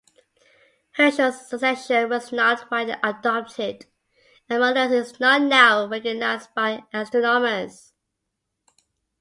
Herschel's suggestion was not widely adopted and Malus is not now recognized by astronomers.